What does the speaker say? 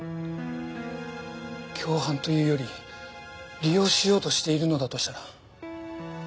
共犯というより利用しようとしているのだとしたら。